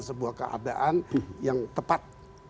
sebuah keadaan yang tepat